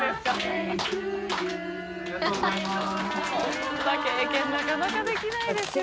こんな経験覆覆できないですよ。